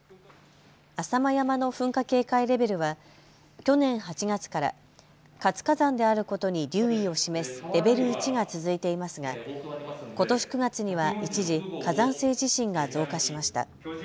浅間山の噴火警戒レベルは去年８月から活火山であることに留意を示すレベル１が続いていますがことし９月には一時、火山性地震が増加しました。